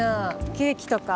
ケーキとか。